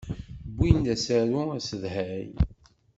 Win d asaru asedhay.